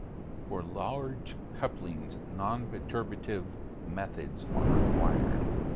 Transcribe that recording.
For large couplings, non-perturbative methods are required.